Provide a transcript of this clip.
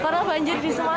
karena banjir di semua